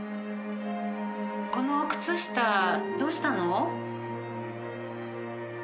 この靴下どうしたの？